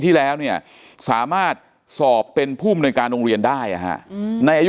ที่แล้วเนี่ยสามารถสอบเป็นผู้มนุยการโรงเรียนได้ในอายุ